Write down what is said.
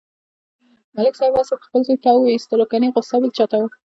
ملک صاحب هسې په خپل زوی تاو و ایستلو کني غوسه بل چاته و.